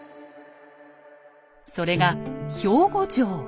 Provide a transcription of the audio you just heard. それが兵庫城。